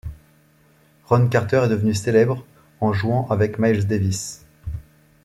Ron Carter est devenu célèbre en jouant avec Miles Davis.